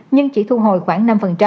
nhưng chỉ thu hồi khoảng năm